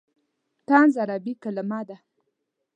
طنز عربي کلمه ده.